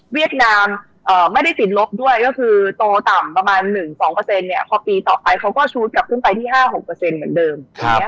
นามไม่ได้สินลบด้วยก็คือโตต่ำประมาณ๑๒พอปีต่อไปเขาก็ชูดกลับขึ้นไปที่๕๖เหมือนเดิม